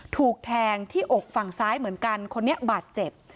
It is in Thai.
ถูกแทงที่อกฝั่งซ้ายเหมือนกันคนนี้บาดเจ็บ